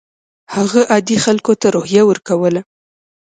هغه عادي خلکو ته روحیه ورکوله.